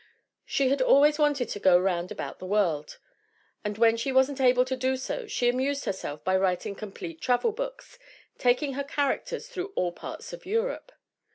She had always wanted to go round about the world and when she wasn't able to do so she amused herself by writing complete travel books, taking her characters through all parts of Europe.